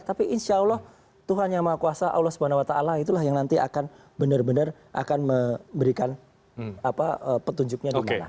tapi insya allah tuhan yang maha kuasa allah subhanahu wa ta'ala itulah yang nanti akan benar benar akan memberikan petunjuknya dimana